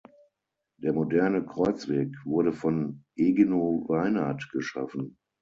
Der moderne Kreuzweg wurde von Egino Weinert geschaffen.